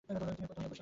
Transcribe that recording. তিনি উন্মত্ত হইলেন ।